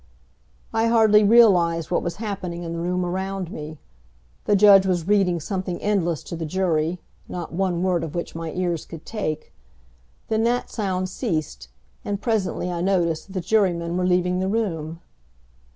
I hardly realized what was happening in the room around me. The judge was reading something endless to the jury, not one word of which my ears could take. Then that sound ceased, and presently I noticed that the jurymen were leaving the room.